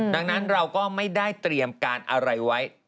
ดังนั้นเราก็ไม่ได้เตรียมการอะไรไว้